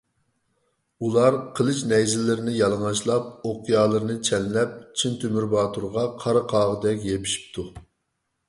ئۇلار قىلىچ-نەيزىلىرىنى يالىڭاچلاپ، ئوقيالىرىنى چەنلەپ، چىن تۆمۈر باتۇرغا قارا قاغىدەك يېپىشىپتۇ.